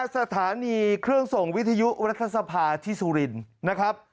สถานีเครื่องส่งวิทยุรัฐสภาที่สุรินทร์นะครับ